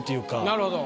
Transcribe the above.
なるほど。